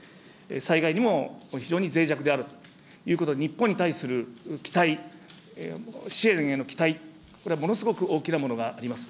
災害にも非常にぜい弱であるということ、日本に対する期待、支援への期待、これはものすごく大きなものがあります。